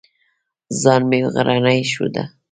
ځان مې غرنی ښوده.